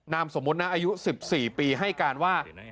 นามสมมุตินะอายุ๑๔ปีให้การว่า